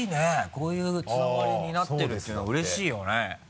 こういうつながりになってるっていうのはうれしいよね。